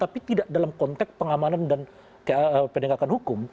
tapi tidak dalam konteks pengamanan dan penegakan hukum